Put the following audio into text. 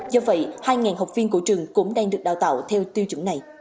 do vậy hai học viên của trường cũng đang được đào tạo theo tiêu chuẩn này